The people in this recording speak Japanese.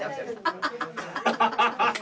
ハハハハ！